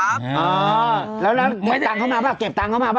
เออแล้วแล้วเด็กตังเข้ามาป่ะเก็บตังเข้ามาป่ะ